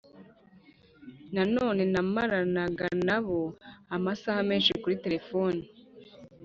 Nanone namaranaga na bo amasaha menshi kuri telefoni